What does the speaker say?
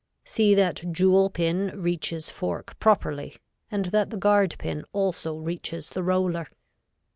See that jewel pin reaches fork properly and that the guard pin also reaches the roller.